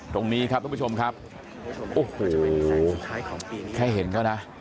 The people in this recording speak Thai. ตรงนี้ครับทุกผู้ชมครับโอ้โหแค่เห็นเขานะ